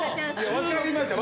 わかりました！